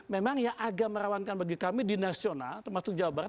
memang ya agama rawankan bagi kami di nasional termasuk jawa barat